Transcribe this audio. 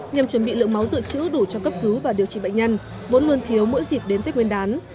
nhằm chuẩn bị lượng máu dự trữ đủ cho cấp cứu và điều trị bệnh nhân vốn luôn thiếu mỗi dịp đến tết nguyên đán